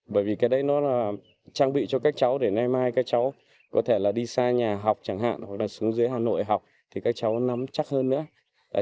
bởi vì cái đấy nó là trang bị cho các cháu để mai mai các cháu có thể là đi xa nhà học chẳng hạn hoặc là xuống dưới hà nội học thì các cháu nắm chắc hơn nữa